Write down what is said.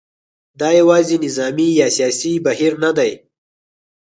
دا یوازې نظامي یا سیاسي بهیر نه دی.